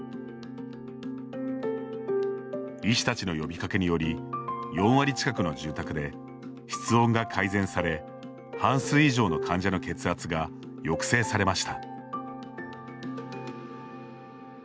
医師たちの呼びかけにより４割近くの住宅で室温が改善され半数以上の患者の血圧が抑制されました。